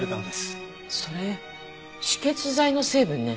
それ止血剤の成分ね。